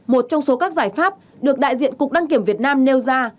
một trong số các giải pháp được đại diện cục đăng kiểm việt nam nêu ra